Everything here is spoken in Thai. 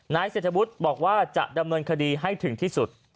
นายเศรษฐวุฒิบอกว่าจะดำเนินคดีให้ถึงที่สุด